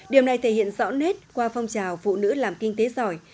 điều này thể hiện rõ nét qua phong trào phụ nữ làm kinh tế giỏi